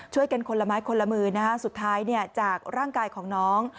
คนละไม้คนละมือสุดท้ายจากร่างกายของน้อง